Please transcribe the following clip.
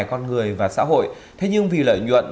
con người và xã hội thế nhưng vì lợi nhuận